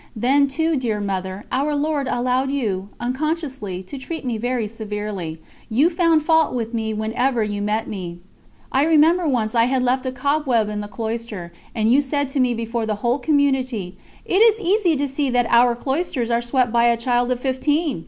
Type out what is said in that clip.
Then, too, dear Mother, Our Lord allowed you, unconsciously, to treat me very severely. You found fault with me whenever you met me. I remember once I had left a cobweb in the cloister, and you said to me before the whole community: "It is easy to see that our cloisters are swept by a child of fifteen.